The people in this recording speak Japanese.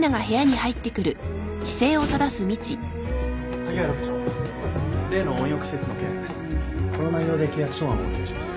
・萩原部長例の温浴施設の件この内容で契約書案をお願いします。